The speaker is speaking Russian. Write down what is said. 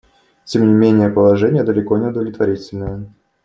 Тем не менее положение далеко не удовлетворительное.